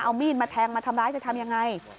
เอามีดมาแทงมาทำร้ายจะทำยังไง